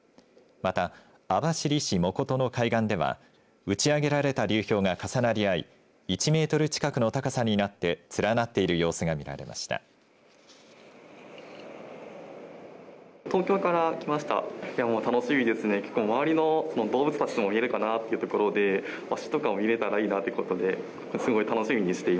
また、網走市藻琴の海岸では打ち上げられた流氷が重なり合い１メートル近くの高さになって連なっている様子が見られました。